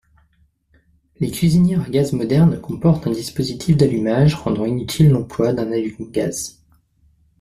Les cuisinières à gaz modernes comportent un dispositif d’allumage rendant inutile l'emploi d'un allume-gaz.